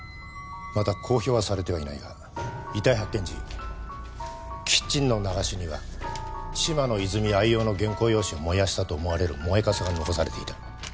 また公表はされてはいないが遺体発見時キッチンの流しには嶋野泉水愛用の原稿用紙を燃やしたと思われる燃えカスが残されていた。